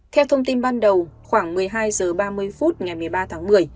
theo thông tin ban đầu khoảng một mươi hai h ba mươi phút ngày một mươi ba tháng một mươi